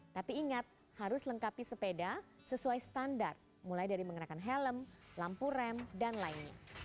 tapi ingat harus lengkapi sepeda sesuai standar mulai dari mengenakan helm lampu rem dan lainnya